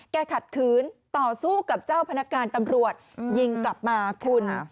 ขัดขืนต่อสู้กับเจ้าพนักการตำรวจยิงกลับมาคุณ